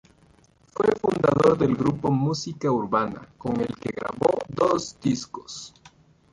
Fue fundador del grupo Música Urbana, con el que grabó dos discos.